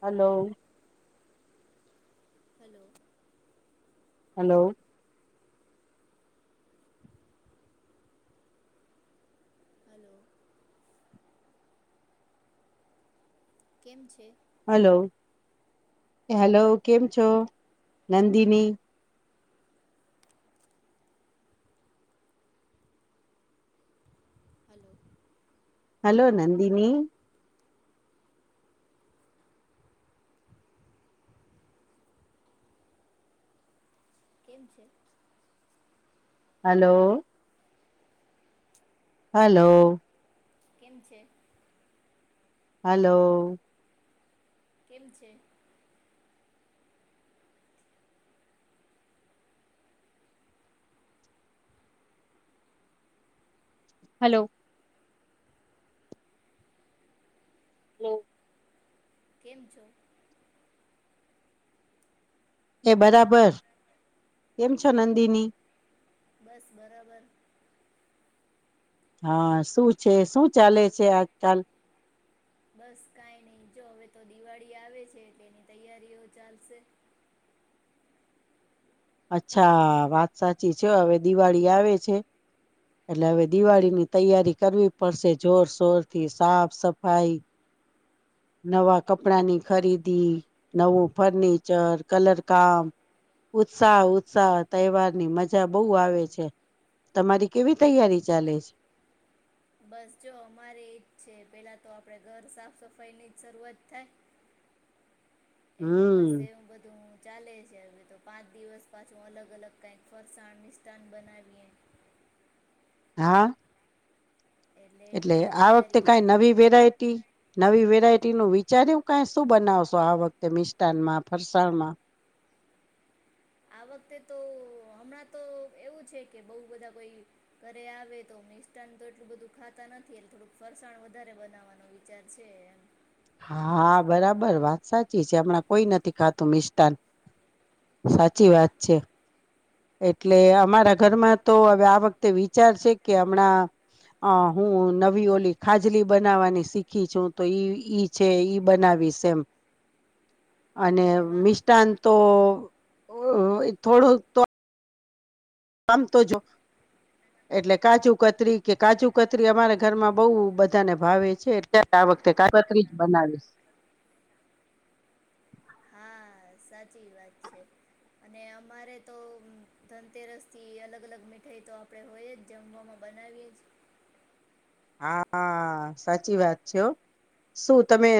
Hello hello hello hello કેમ છે. Hello, hello કેમ છો. નંદિની હલો હલો, નદનીી કેમ છે. હલો હલો કેમ છે. હલો કેમ છે. હલો હલો કેમ છો. એ બરાબર કેમ છો, નંદીની બસ, બરાબર હા શું છે શું ચાલે છે આજકાલ બસ કઈ નઈ જો હવે તો દિવાળી આવે છે એટલે એની તૈયારીઓ ચાલશે હ અચ્છા વાત સાચી છે હવે દિવાળી આવે છે એટલે હવે દિવાળીની તૈયારી કરવી પડશે જોરશોરથી સાફ સફાઈ નવા કપડાની ખરીદી નવું ફર્નિચર કલરકામ ઉત્સાહ ઉત્સાહ તહેવારની મજા બહુ આવે છે તમારી કેવી તૈયારી ચાલે છે બસ જો અમારે એજ છે પેલા તો આપડે ઘર સાફ સફાઈ ની જ શરૂઆત થાય એટલે બસ હમ એવું બધું ચાલે છે હવે તો પાંચ દિવસ પાછું અલગ અલગ કઈક ફરસાણ નિિષાન બનાવીએ હ હા એની એટલે બધી આ વખતે તૈયારીઓ કાંઈ નવી વેરાયટી નવી વેરાયટીનું વિચાર્યું કાંઈ શું બનાવશો આ વખતે મિષ્ટાનમાં, ફરસાણમાં [inaudible] આ વખતે તો હમણાં તો એવું છે કે બહુ બધા કોઈ ઘરે આવે તો મિષ્ટાન તો એટલું બધું ખાતા નથી એટલે થોડુંક ફરસાણ વધારે બનાવવાનો વિચાર છે એમ હા બરાબર વાત સાચી છે. હમણાં કોઈ નથી ખાતું મિષ્ટાન સાચી હા વાત છે. એટલે અમારા ઘરમાં તો હવે આ વખતે વિચાર છે કે હમણાં અ હું નવી ઓલી ખાજલી બનાવાની શીખી છું તો ઈ ઈ છે ઈ બનાવી વીશ એમ [inaudible] અને વાહ મિષ્ટાન તો ઓ થોડુંક તો આમ તો જો એટલે કાજુ કતરી કે કાજુ કતરી અમારા ઘરમાં બઉ બધાને ભાવે છે એટલે આ આ વખતે કાકત્રી જ બનાવીશ. હા સાચી વાત છે. અને અમારે તો ધનતેરસથી અલગ અલગ મીઠાઈ તો આપડે હોય જ જમવામાં બનાવીએ જ હા આ હા સાચી વાત છે હો. શું તમે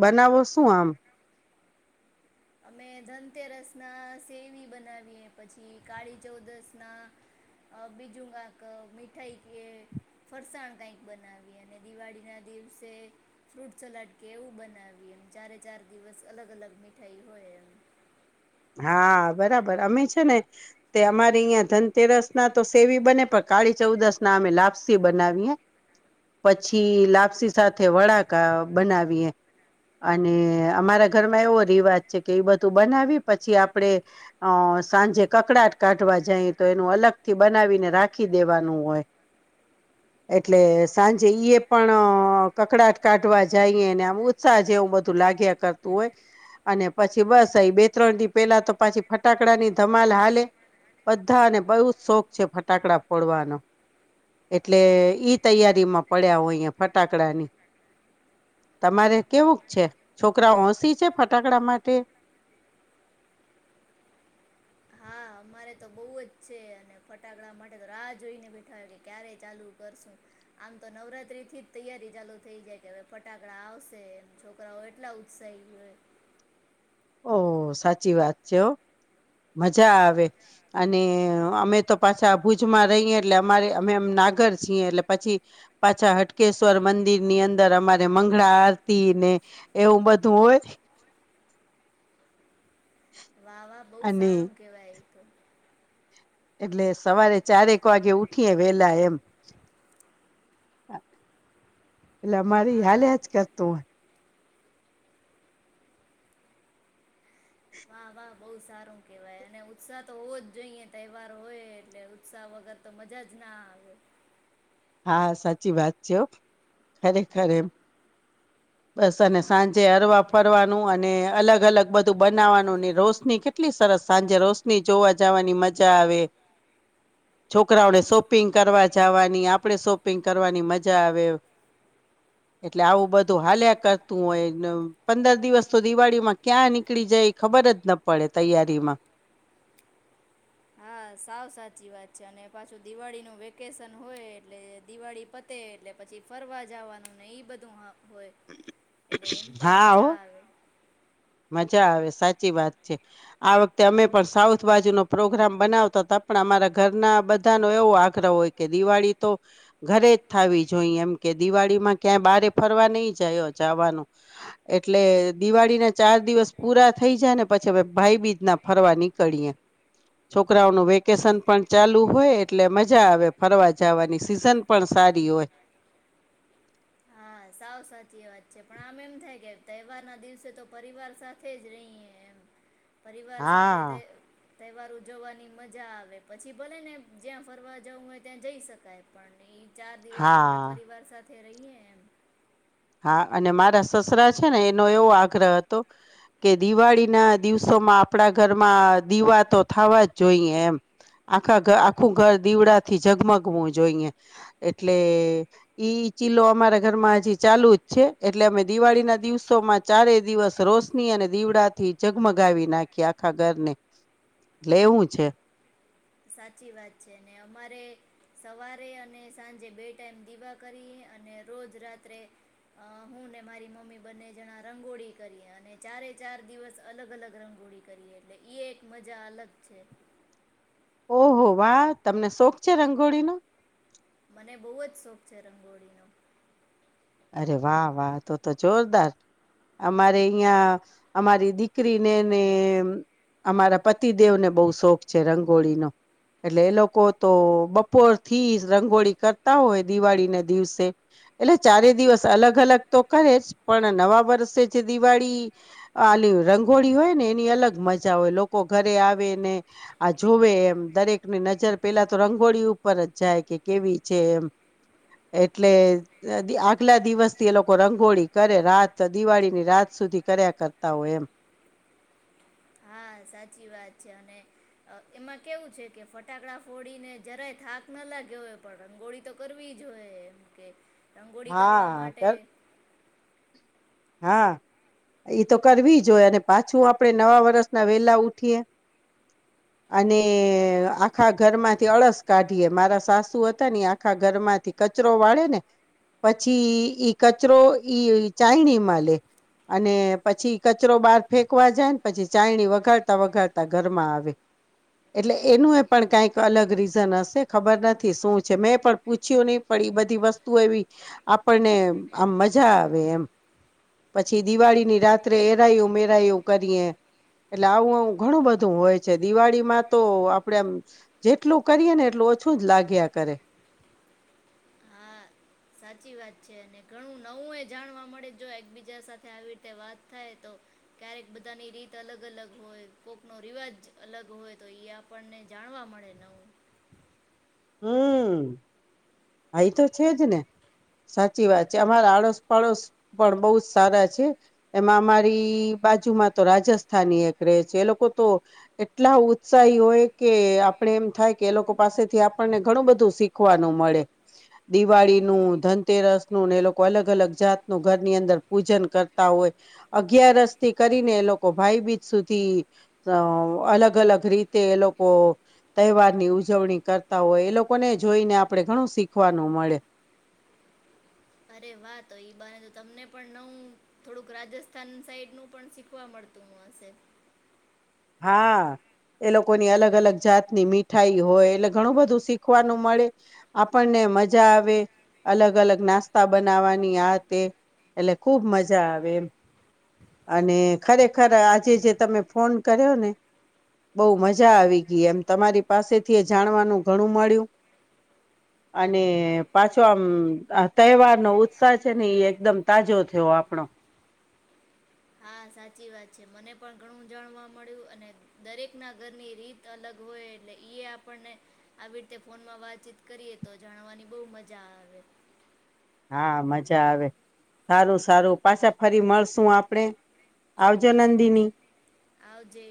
બનાવો શું આમ? અમે ધનતેરસના સેવી બનાવીએ પછી કાળી ચૌદસના અ બીજું કાક મીઠાઈ કે ફરસાણ કાંઈક બનાવીએ અને દિવાળીના દિવસે ફ્રૂટ સલાડ કે એવું બનાવીએ. ચારે ચાર દિવસ અલગ અલગ મીઠાઈ હોય એમ હા બરાબર અમે છે ને તે અમારી અહીંયા ધનતેરસના તો સેવી બને પણ કાળી ચૌદસના અમે લાપસી બનાવીએે. પછી લાપસી સાથે વડાકા બનાવીએ. અને અમારા ઘરમાં એવો રિવાજ છે કે ઈ બધું બનાવી પછી આપણે અ સાંજે કકડાટ કાઢવા જાય તો એનું અલગથી બનાવીને રાખી દેવાનું હોય. [inaudible] એટલે સાંજે ઈ એ પણ કકડાટ કાઢવા જાઈને આમ ઉત્સાહ જેવું બધું લાગ લાગ્યા કરતું હોય અને પછી બસ એ બે ત્રણ દી પેલા તો પાછી ફટાકડાની ધમાલ હાલે. બધાને બહુ જ શોખ છે ફટાકડા ફોડવાનો એટલે ઈ તૈયારીમાં પડ્યા હોઈએ ફટાકડાની તમારે કેવુંક છે? છોકરા હોંસી છે ફટાકડા માટે? હા. અમારે તો બઉ જ છે અને ફટાકડા માટે તો રાહ જોઈને બેઠા હોય કે ક્યારે ચાલુ કરશું. આમ તો નવરાત્રીથી જ તૈયારી ચાલુ થઇ જાય કે હવે ફટાકડા આવશે ને છોકરાઓ એટલા ઉત્સા [unintelligible] હોય. ઓહ! સાચી વાત છે હો. મજા આવે અને અમે તો પાછા ભુજમાં રહીએ એટલે અમારે અમે એમના નાગર છીએ એટલે પછી પાછા હટકેશ્વર મંદિરની અંદર અમારે મંગળા આરતી ને એવું બધું હોય. [inaudible] આવા બહુ અને સારું કેવાય ઈ તો. એટલે સવારે ચારેક વાગે ઉઠીએ વેલા એમ. એટલે અમારી હા હલે જ કરતું હોય. વાહ વાહ બઉ બહુ સારું કેવાય અને ઉત્સાહ તો હોવો જ જોઈએ તહેવાર હોય એટલે ઉત્સાહ વગર તો મજા જ ના હા એ હા સાચી વાત છે હો ખરે ખરે એમ. [inaudible] બસ અને સાંજે અરવા ફરવાનું અને અલગ અલગ બધું બનાવાનું રોશની કેટલી સર સાંજે રોશની જોવા જવાની મજા આવે. [inaudible] છોકરાઓને શોપિંગ કરવા જવાની આપ આપણે શોપિંગ કરવાની મજા આવે. [inaudible] એટલે આવું બધું હાલ્યા કરતું હોય પંદર દિવસ તો દિવાળી માં ક્યાં નીકળી જાય એ ખબર ફર જ ન પડે તૈયારી માં. હા હા સાવ સાચી વાત છે અને પાછું દિવાળીનું વેકેશન હોય એટલે દિવાળી પતે એટલ એટલે પછી ફરવા જવાનું ને ઈ બધું હા હોય. એટલે એમ પણ હા હો મજા આવે. મજા આવે સાચી વાત છે આ વખતે અમે પણ સાઉથ બાજુ નો પ્રોગ્રામ બનાવતા ત પણ અમારા ઘરના બધા નો એવો આગ્રહ હોય કે દિવાળી તો ઘરે જ થવી જોઈ એમ કે દિવાળી માં ક્યાં બારે ફરવા નહી જાયો. જાવાનો એટલે દિવાળી ના ચાર દિવસ પૂરા થઈ જાય ને પછી ભાઈ બીજ ના ફરવા નીકળએે છોકરાઓનું વેકેશન પણ ચાલુ હોય એટલે મજા આવે ફરવા જવાની સિઝન પણ સારી હોય હા હા સાવ સાચી એ વાત છે પણ આમ એમ થાય કે તહેવાર ના દિવસે તો પરિવાર સાથે જ રહીએ પરિવાર સાથે તે હા તહેવારો જવાની મજા આવે પછી ભલે ને જ્યાં ફરવા જવું હોય ત્યાં જઈ શકાય પણને એ ચાર દિવસ તો આપે હા. પરિવાર સાથે રહીએ એમ હા અને મારા સસરા છે ને એનો એવો આગ્રહ હતો કે દિવાળી ના દિવસે આપણા ઘરમાં દીવા તો થવા જ જોઈએ એમ આખા ઘ આખું ઘર દીવડા થી જઝગમગવું જોઈએ એટલે ઈ ચીલો અમારા ઘરમાં ચાલુ જ છે એટલે અમે દિવાળી ના દિવસો માં ચારે દિવસ રોશની અને દીવડા થી જગમગ ગાવી નાખી આખા ઘરને લેવું છે સાચી વાત છે ને અમારે સવારે અને સાંજે બે ટાઈમ દીવા કરી અને રોજ રાત્રે અ હું ને મારી મમ્મી બંને જણા રંગોળી કરી અને ચારે ચાર દિવસ અલગ અલગ રંગો ળી કરીએ એટલે એ એક મજા અલગ છે ઓહો વાહ તમને શોખ છે રંગોળીનો મને બહુ જ શોખ છે રંગોળીનો અરે વાહ વાહ તો તો જોરદાર અમારે અહં અમારી દીકરીને ને અમારા પતિદેવને બહુ શોખ છે રંગોળીનો એટલે એ લોકો તો બપોર થી રંગોળી કરતા હોય દિવાળીને દિવસે એટલે ચારે દિવસ અલગ અલગ તો કરે જ પણ નવા વર્ષે જે દિવાળી આ ર હોળી હોય ને એની અલગ મજા હોય લોકો ઘરે આવે ને આ જોવે એમ દરેકની નજર અ પેલા તો રંગોળી ઉપર જ જાય કે કેવી છે એમ એટલે આગલા દિવસથી એ લોકો રંગોળી કરે રાત દિવાળીની રાત સુધી કર્યા કરતા હોય એમ હા હા સાચી વાત છે અને એમાં કેવું છે કે ફટાકડા ફોડીને જરાય થાક ના લાગે હોય પણ રંગોળી તો કરવી જ હોય એમ કે રંગોળી કરવા હા માટે કર હા એ તો કરવી જો હોય અને પાછું આપણે નવા વરષના વેલા ઉઠીએ [unintelligible] અને આખા ઘરમાંથી અળસ કાઢીએ મારા સાસુ હતા ને આખા ઘર માંથી કચરો વાળે ને પછી ઈ કચરો ઈ ચાયણીમાં લે અને પછી કચરો બાર ફેંકવા જાય ને પછી ચાયણી વગાડતા વગાડતા ઘરમાં આવે એટલે એનું એ પણ કંઈક અલગ રીઝન હશે ખબર નથી શું છે મેં પણ પૂછ્યું નહી પ બધી વસ્તુ એવી આપણને આમ મજા આવે એમ પછી દિવાળીની રાત્રે એરાયું મેરાયું કરીએ એટલે આવું આવું ઘણું બધું હોય છે દિવાળીમાં તો આપડેમ જેટલું કરીએ ને એટલું ઓછું જ લાગ્યા કરે હા સાચી વાત છે અને ઘણું નવું એ જાણવા મળે જો એકબીજા સાથે આવી રીતે વાત થાય તો ક્યારેક બધાની રીત અલગ અલગ હોય કોક નો રિવાજ અલગ હોય તો એ આપણને જા ણવા મળે નવું હમ્મ આઈ તો છે જ ને સાચી વાત છે અમારા આડોસ પાડોશ પણ બહ જ સારા છે એમાં અમારી બાજુમાં તો રાજસ્થાની એક રહે છે એ લોકો તો એટલા ઉત્સાહી હોય કે આપણે એમ થાય કે એ લોકો પાસેથી આપ ને ઘણું બધું શીખવાનું મળે દિવાળી નું ધનતેરસ નું ને એ લોકો અલગ અલગ જાતનું ઘરની અંદર પૂજન કરતા હોય અગિયારસથી કરીને એ લોકો ભાઈ બીજ સુધી અ અલગ અલગ રીતે એ લોકો તહેવાર ની ઉજવણી કરતા હોય એ લોકોને જોઈને આપણે ઘણું શીખવાનું મળે. અરે વા તો ઈ બને તો તમને પણ નવું થોડુંક રાજસ્થાન સાઈડનું પણ શીખવા મળે. [unintelligible] હા. એ લોકોની અલગ અલગ જાતની મીઠાઈ હોય એટલે ઘણું બધું શીખવાનું મળે આપણને મજા આવે અલગ અલગ નાસ્તા બનાવવાની આ તે એટલે ખુબ મજા આવે એમ અને ખરેખર આજે જે તમે ફોન કર્યો ને બહુ મજા આવી ગઈ એમ તમારી પાસેથી એ જાણવાનું ઘણું મળ્યું [inaudible] અને પાછો આમ તહેવાર નો ઉત્સાહ છે, ને એ એકદમ તાજો થયો આપણો [inaudible] હા સાચી વાત છે મને પણ ઘણું જાણવા મળ્યું અને દરેક ના ઘરની રીત અલગ હોય એટલે આપણને આવી રીતે ફોનમાં વાતચીત કરીએ તો જાણવાની બહુ મજા આવે [inaudible] હા મજા આવે સારું સારું પાછા ફરી મળશું આપડે ચોક્કસમાં આવજે